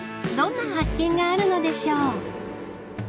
どんな発見があるのでしょう］